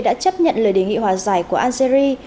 đã chấp nhận lời đề nghị hòa giải của algeria